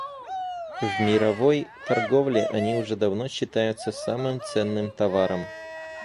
В мировой торговле они уже давно считаются самым ценным товаром.